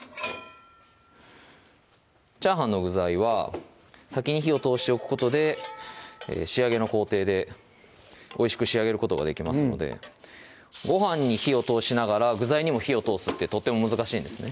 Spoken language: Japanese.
チャーハンの具材は先に火を通しておくことで仕上げの工程でおいしく仕上げることができますのでご飯に火を通しながら具材にも火を通すってとっても難しいんですね